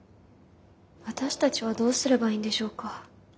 私たちはどうすればいいんでしょうか。